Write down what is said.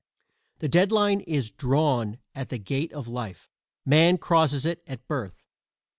The dead line is drawn at the gate of life: Man crosses it at birth.